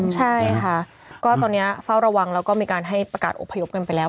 ใช่ค่ะก็ตอนนี้เฝ้าระวังแล้วก็มีการให้ประกาศอบพยพกันไปแล้ว